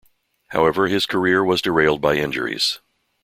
However, his career was derailed by injuries.